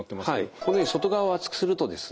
このように外側を厚くするとですね